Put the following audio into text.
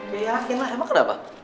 ya yakin lah emang kenapa